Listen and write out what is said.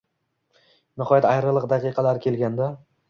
Nihoyat ayriliq daqiqalari kelganda